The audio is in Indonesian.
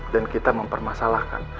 dan kita mempermasalahkan